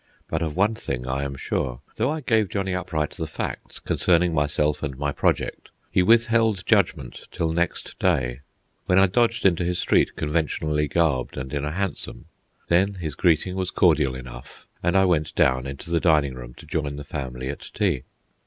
But of one thing I am sure: though I gave Johnny Upright the facts concerning myself and project, he withheld judgment till next day, when I dodged into his street conventionally garbed and in a hansom. Then his greeting was cordial enough, and I went down into the dining room to join the family at tea.